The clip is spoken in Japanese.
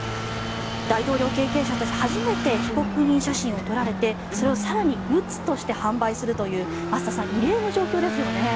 大統領経験者として初めて被告人写真を撮られてそれを更にグッズとして販売するという増田さん異例の状況ですよね。